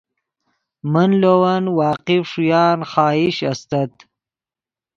من لے ون واقف ݰویان خواہش استت